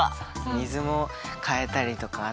水もかえたりとかあったし。